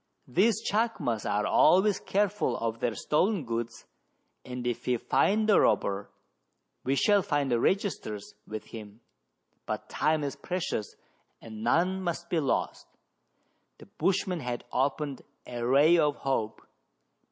These chacmas are always careful of their stolen goods, and if we find the robber we 220 MERIDIANA; THE ADVENTURES OF shall find the registers with him. But time is precious, and none must be lost." The bushman had opened a ray of hope.